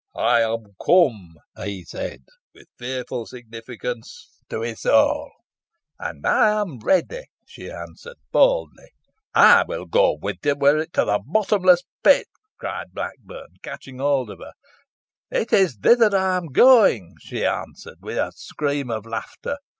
'I am come,' he said, with fearful significance, to Isole. 'And I am ready,' she answered boldly. 'I will go with you were it to the bottomless pit,' cried Blackburn catching hold of her. 'It is thither I am going,' she answered with a scream of laughter.